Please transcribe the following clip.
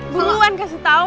buruan kasih tau